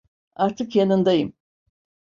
Artık yanındayım.